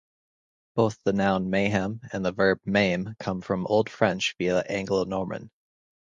Both the noun "mayhem" and the verb "maim" come from Old French via Anglo-Norman.